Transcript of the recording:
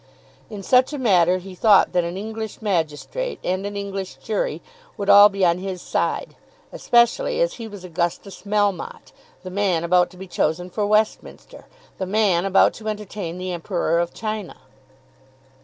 In such a matter he thought that an English magistrate, and an English jury, would all be on his side, especially as he was Augustus Melmotte, the man about to be chosen for Westminster, the man about to entertain the Emperor of China!